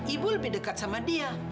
ibu lebih dekat sama dia